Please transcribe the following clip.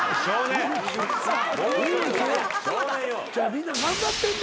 みんな頑張ってんねん。